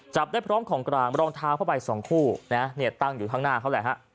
จับได้พร้อมของกลางรองเท้าผ้าใบ๒คู่ตั้งอยู่ข้างหน้าเขาแหละ